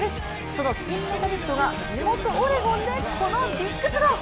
その金メダリストが地元オレゴンで、このビッグスロー。